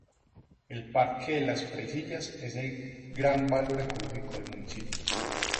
El parque de Las Presillas es el gran valor ecológico del municipio.